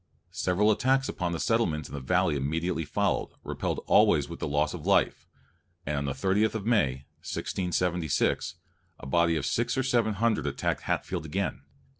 Several attacks upon the settlements in the valley immediately followed, repelled always with loss of life; and on the 30th of May, 1676, a body of six or seven hundred attacked Hatfield again.